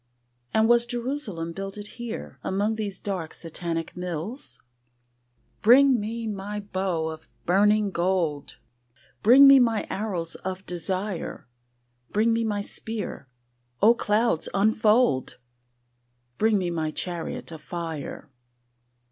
And was Jerusalem builded here Among these dark Satanic mills? Bring me my bow of burning gold: Bring me my arrows of desire: Bring me my spear: O clouds unfold! Bring me my chariot of fire.